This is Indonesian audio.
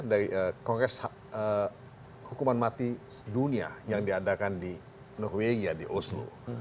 dari kongres hukuman mati dunia yang diadakan di norwegia di oslo